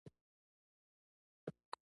لړم د بارانونو د پیل میاشت ده.